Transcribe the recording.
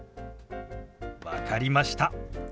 分かりました。